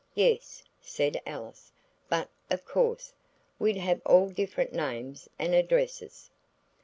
Yes," said Alice; "but of course we'd have all different names and addresses."